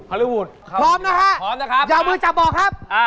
พร้อมนะคะอย่าเอามือจับออกครับ